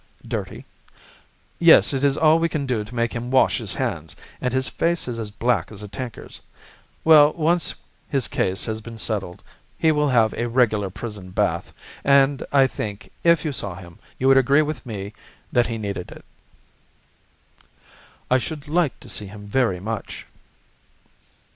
"Dirty?" "Yes, it is all we can do to make him wash his hands, and his face is as black as a tinker's. Well, when once his case has been settled, he will have a regular prison bath; and I think, if you saw him, you would agree with me that he needed it." "I should like to see him very much."